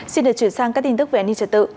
xin được chuyển sang các tin tức về an ninh trật tự